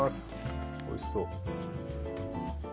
おいしそう。